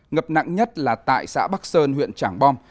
ngập nặng nhất là tại xã bắc sơn huyện trảng bom